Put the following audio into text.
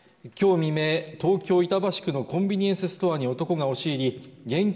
未明東京板橋区のコンビニエンスストアに男が押し入り現金